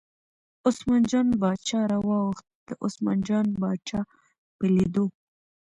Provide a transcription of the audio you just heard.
عثمان جان باچا راواوښت، د عثمان جان باچا په لیدو.